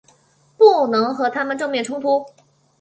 不能和他们正面冲突